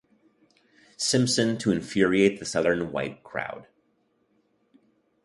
Simpson to infuriate the southern white crowd.